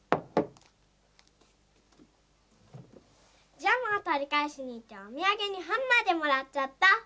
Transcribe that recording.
ジャムをとりかえしにいっておみやげにハムまでもらっちゃった。